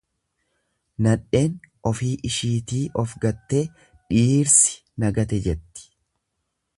Nadheen ofii ishiitii of gattee dhiirsi koo nagate jetti.